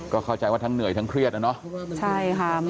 ก็เข้าใจว่าทั้งเหนื่อยทั้งเครียดนะ